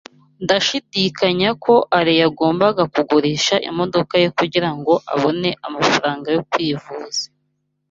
Ndashidikanya ko Alain yagombaga kugurisha imodoka ye kugirango abone amafaranga yo kwivuza.